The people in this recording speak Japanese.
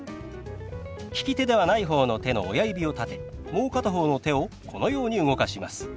利き手ではない方の手の親指を立てもう片方の手をこのように動かします。